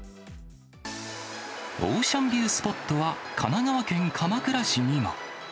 オーシャンビュースポットは、神奈川県鎌倉市にも。